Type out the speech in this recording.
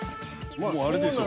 もうあれでしょう。